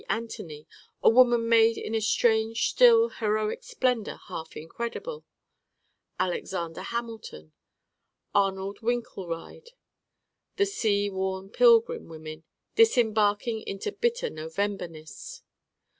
Anthony a woman made in a strange still heroic splendor half incredible: Alexander Hamilton: Arnold Winkelried: the sea worn Pilgrim women disembarking into bitter Novemberness.